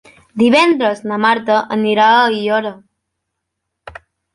Divendres na Marta anirà a Aiora.